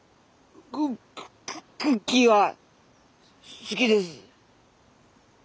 ククッキーは好きです。